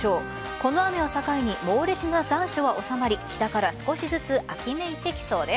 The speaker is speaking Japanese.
この雨を境に猛烈な残暑は収まり北から少しずつ秋めいてきそうです。